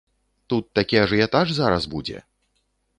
Тут такі ажыятаж зараз будзе!